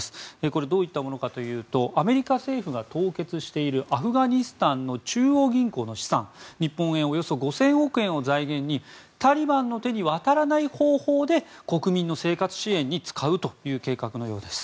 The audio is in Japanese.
これはどういったものかというとアメリカ政府が凍結しているアフガニスタンの中央銀行の資産日本円およそ５０００億円を財源にタリバンの手に渡らない方法で国民の生活支援に使うという計画のようです。